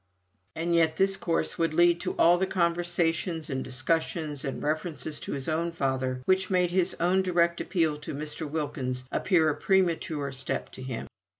And yet this course would lead to all the conversations, and discussions, and references to his own father, which made his own direct appeal to Mr. Wilkins appear a premature step to him.